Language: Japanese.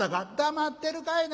「黙ってるかいな。